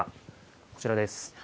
こちらです。